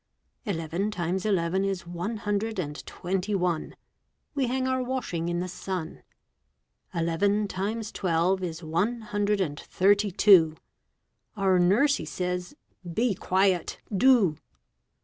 Eleven times eleven is one hundred and twenty one. We hang our washing in the sun. Eleven times twelve is one hundred and thirty two. Our nursie says, "Be quiet, do!"